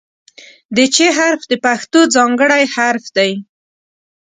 د "چ" حرف د پښتو ځانګړی حرف دی.